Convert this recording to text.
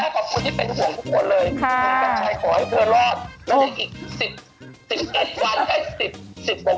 ขอบคุณนะขอบคุณที่เป็นห่วงทุกคนเลย